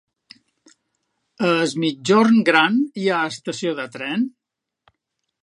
A Es Migjorn Gran hi ha estació de tren?